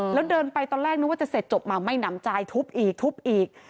แล้วเดินไปตอนแรกนึกว่าจะเสร็จจบมาไม่หนำใจทุบอีกทุบอีก